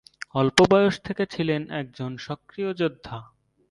অল্প বয়স থেকে ছিলেন একজন সক্রিয় যোদ্ধা।